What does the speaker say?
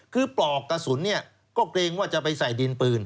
คือปลอกกระสุนก็เกรงว่าจะไปใส่ดินปืน